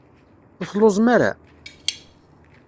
Ur telluẓem ara?